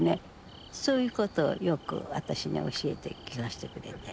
そういうことをよく私に教えて聞かしてくれて。